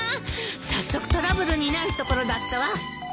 早速トラブルになるところだったわ。